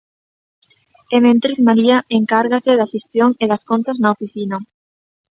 E mentres, María, encárgase da xestión e das contas na oficina.